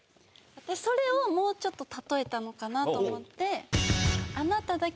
それをもうちょっとたとえたのかなと思って。